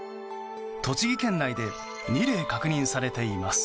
栃木県内で２例確認されています。